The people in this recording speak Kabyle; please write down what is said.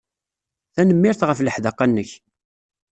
Tanemmirt ɣef leḥdaqa-nnek.